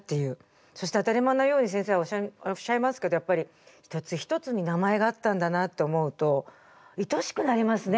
そして当たり前のように先生はおっしゃいますけどやっぱり一つ一つに名前があったんだなと思うといとおしくなりますね